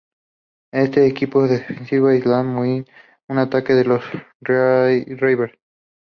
Este equipo defendió la Isla Muir de un ataque de los Reavers.